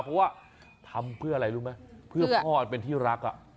เพราะว่าทำเพื่ออะไรรู้ไหมเพื่อพ่อเป็นที่รัก